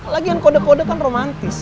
lagian kode kode kan romantis